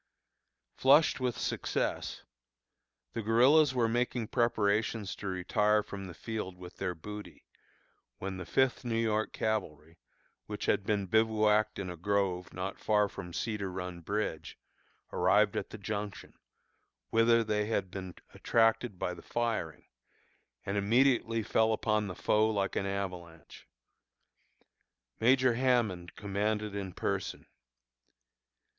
Flushed with success, the guerillas were making preparations to retire from the field with their booty, when the Fifth New York Cavalry, which had been bivouacked in a grove not far from Cedar Run Bridge, arrived at the Junction, whither they had been attracted by the firing, and immediately fell upon the foe like an avalanche. Major Hammond commanded in person.